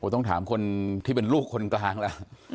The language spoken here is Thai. ต้องถามคนที่เป็นลูกคนกลางแล้ว